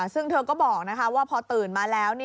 ซึ่งเธอก็บอกว่าพอตื่นมาแล้ว